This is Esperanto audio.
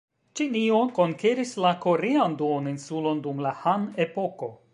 Ĉinio konkeris la korean duoninsulon dum la Han-epoko.